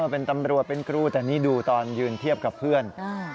เป็นตำรวจเป็นครูแต่นี่ดูตอนยืนเทียบกับเพื่อน